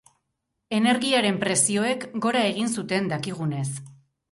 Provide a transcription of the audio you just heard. Energiaren prezioek gora egin zuten, dakigunez.